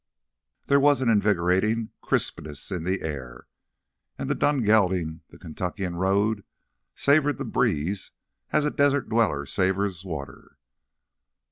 There was an invigorating crispness in the air, and the dun gelding the Kentuckian rode savored the breeze as a desert dweller savors water.